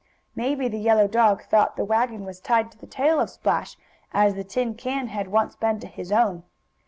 Maybe the yellow dog thought the wagon was tied to the tail of Splash, as the tin can had once been to his own.